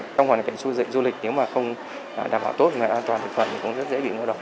du lịch nếu mà không đảm bảo tốt an toàn thực phẩm thì cũng rất dễ bị ngộ độc